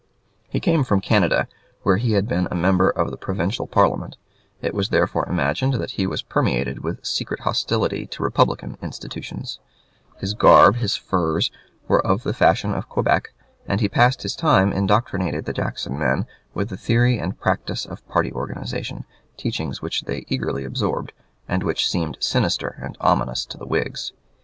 He came from Canada, where he had been a member of the provincial parliament; it was therefore imagined that he was permeated with secret hostility to republican institutions; his garb, his furs, were of the fashion of Quebec; and he passed his time indoctrinating the Jackson men with the theory and practice of party organization, teachings which they eagerly absorbed, and which seemed sinister and ominous to the Whigs.